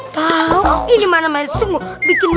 tau ini mana masuk bikin balut